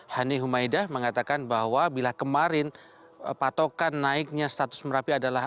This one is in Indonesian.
hani humaydah mengatakan bahwa bila kemarin patokan naiknya status merapi adalah